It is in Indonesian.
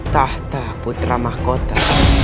tahta putra mahkota